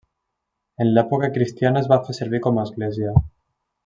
En l'època cristiana es va fer servir com a església.